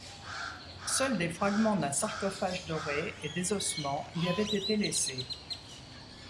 Seuls des fragments d'un sarcophage doré et des ossements y avaient été laissés.